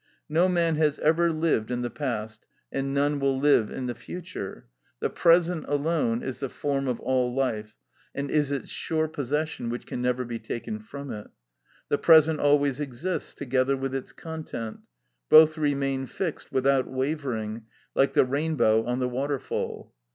No man has ever lived in the past, and none will live in the future; the present alone is the form of all life, and is its sure possession which can never be taken from it. The present always exists, together with its content. Both remain fixed without wavering, like the rainbow on the waterfall.